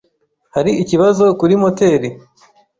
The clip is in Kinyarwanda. Hari ikibazo kuri moteri?